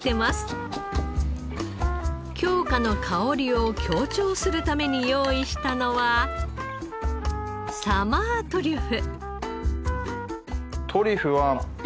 京香の香りを強調するために用意したのはサマートリュフ。